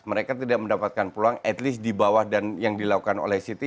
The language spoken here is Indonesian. mereka tidak mendapatkan peluang at least di bawah dan yang dilakukan oleh city